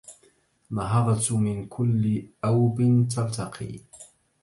نهضت من كل أوب تلتقي